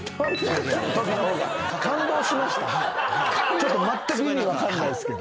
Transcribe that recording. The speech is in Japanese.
ちょっとまったく意味が分かんないですけど。